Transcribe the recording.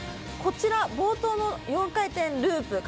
こちら冒頭の４回転ループ。